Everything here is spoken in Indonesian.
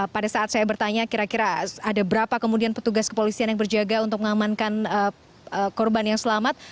pada saat saya bertanya kira kira ada berapa kemudian petugas kepolisian yang berjaga untuk mengamankan korban yang selamat